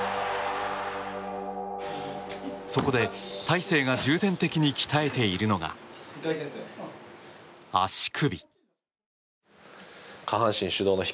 そこで、大勢が重点的に鍛えているのが足首。